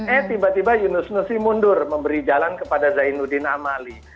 eh tiba tiba yunus nusi mundur memberi jalan kepada zainuddin amali